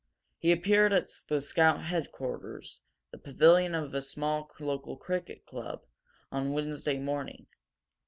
He appeared at the scout headquarters, the pavilion of a small local cricket club, on Wednesday morning.